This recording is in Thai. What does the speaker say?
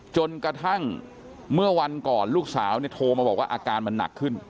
จนกระทั่งเมื่อวันก่อนลูกสาวโทรมาบอกว่าอาการมันหนักขึ้น